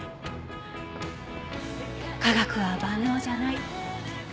科学は万能じゃない。